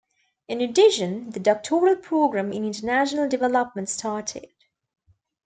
In addition, the Doctoral Program in International Development started.